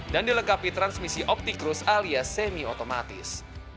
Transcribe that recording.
dan dilengkapi transmisi optikrus alias semi otomatis